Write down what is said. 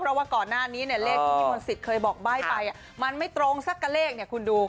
เพราะว่าก่อนหน้านี้เนี่ยเลขที่พี่มนต์สิทธิ์เคยบอกใบ้ไปมันไม่ตรงสักกับเลขเนี่ยคุณดู